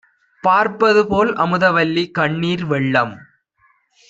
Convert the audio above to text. பார்ப்பதுபோல் அமுதவல்லி கண்ணீர் வெள்ளம்